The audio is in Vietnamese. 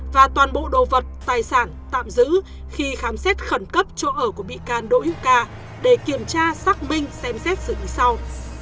và toàn bộ đồ vật tài sản tạm giữ khi khám xét khẩn cấp chỗ ở của bị can đỗ hữu ca để kiểm tra xác minh xem xét xử lý sau